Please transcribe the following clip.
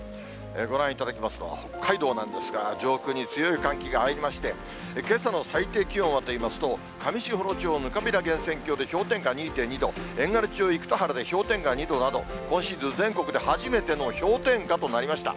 ご覧いただきますのは北海道なんですが、上空に強い寒気が入りまして、けさの最低気温はといいますと、上士幌町ぬかびら源泉郷で氷点下２．２度、遠軽町生田原で氷点下２度など、今シーズン、全国で初めての氷点下となりました。